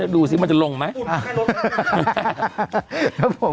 ดูสิมันจะลงไหม